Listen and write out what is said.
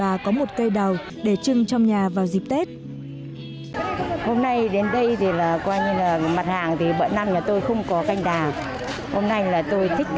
và có một cây đào để trưng trong nhà vào dịp tết